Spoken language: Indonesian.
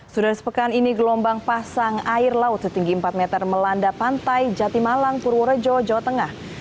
sudah sepekan ini gelombang pasang air laut setinggi empat meter melanda pantai jatimalang purworejo jawa tengah